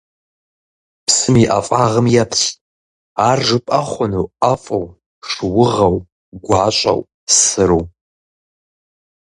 Псым и ӀэфӀагъым еплъ; ар жыпӀэ хъуну ӀэфӀу, шыугъэу, гуащӀэу, сыру?